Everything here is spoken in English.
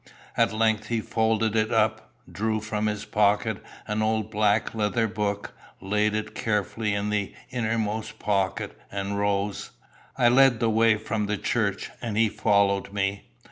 At length he folded it up, drew from his pocket an old black leather book, laid it carefully in the innermost pocket, and rose. I led the way from the church, and he followed me.